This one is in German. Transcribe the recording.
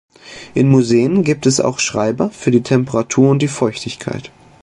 In Museen gibt es auch Schreiber für die Temperatur und die Feuchtigkeit.